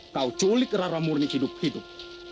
kau culik rara murni hidup hidup